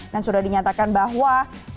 dan sudah dinyatakan bahwa